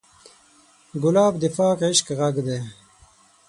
ګلاب د پاک عشق غږ دی.